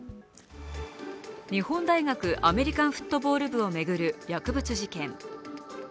日本大学アメリカンフットボール部を巡る薬物事件。